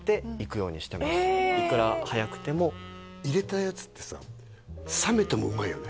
いくら早くてもいれたやつってさ冷めてもうまいよね